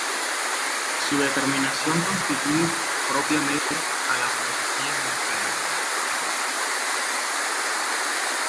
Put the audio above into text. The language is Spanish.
Su determinación constituye propiamente a la Filosofía de la Enfermería.